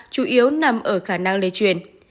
chủ yếu nằm ở khả năng lây chuyển